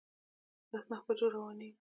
بس نهه بجو روانیږي